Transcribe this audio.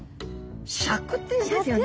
笏っていうんですよね。